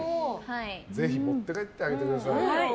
ぜひ持って帰ってあげてください。